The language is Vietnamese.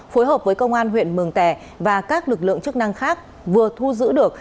phối hợp với công an huyện mường tè và các lực lượng chức năng khác vừa thu giữ được